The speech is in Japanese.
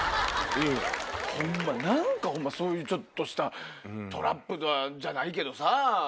ホンマそういうちょっとしたトラップじゃないけどさ。